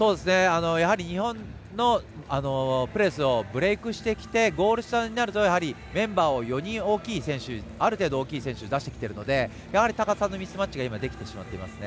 日本のプレスをブレークしてきてゴール下になるとメンバーを４人大きい選手ある程度、大きい選手を出してきているのでやはり高さのミスマッチが出てきていますね。